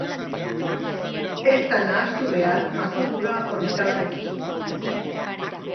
Ez da nahastu behar makurdura orbitalarekin.